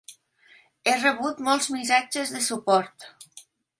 He rebut molts missatges de suport.